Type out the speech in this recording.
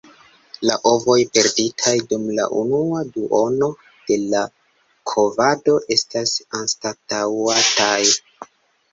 La ovoj perditaj dum la unua duono de la kovado estas anstataŭataj.